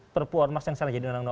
perpu ormas yang selanjutnya